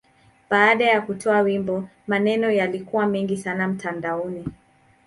Baada ya kutoa wimbo, maneno yalikuwa mengi sana mtandaoni.